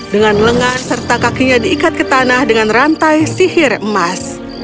dengan lengan serta kakinya diikat ke tanah dengan rantai sihir emas